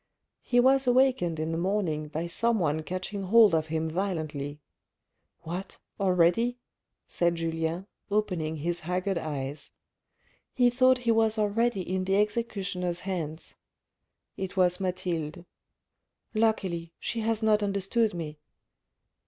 He was awakened in the morning by someone catching hold of him violently. " What ! already," said Julien, opening his haggard eyes. He thought he was already in the executioner's hands. It was Mathilde. " Luckily, she has not understood me."